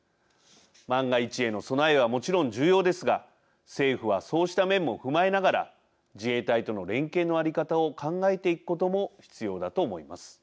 万が一への備えはもちろん重要ですが政府はそうした面も踏まえながら自衛隊との連携の在り方を考えていくことも必要だと思います。